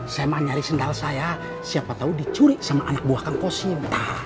saya mah nyari sendal saya siapa tahu dicuri sama anak buah kang kosnya